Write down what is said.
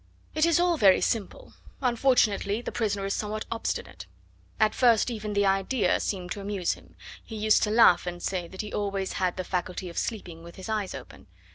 It is all very simple, unfortunately the prisoner is somewhat obstinate. At first, even, the idea seemed to amuse him; he used to laugh and say that he always had the faculty of sleeping with his eyes open.